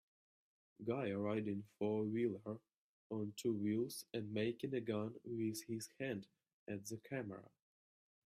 Guy riding four wheeler on two wheels and making a gun with his hand at the camera.